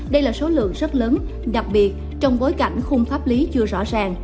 đây là số lượng rất lớn đặc biệt trong bối cảnh khung pháp lý chưa rõ ràng